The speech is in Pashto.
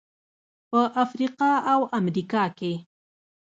په افریقا او امریکا کې.